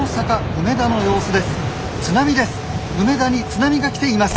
梅田に津波が来ています！